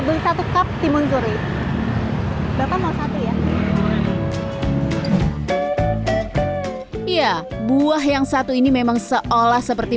beli satu cup timun suri bapak mau satu ya iya buah yang satu ini memang seolah seperti